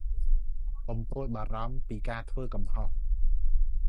កុំព្រួយបារម្ភពីការធ្វេីកំហុស។